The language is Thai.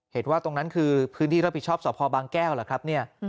เห็นว่าตรงนั้นคือพื้นที่รับผิดชอบสภบางแก้วล่ะครับ